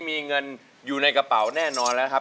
มีเงินอยู่ในกระเป๋าแน่นอนแล้วนะครับ